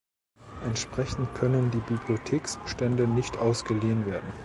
Entsprechend können die Bibliotheksbestände nicht ausgeliehen werden.